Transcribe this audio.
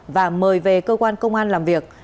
và mời về cơ quan công an làm việc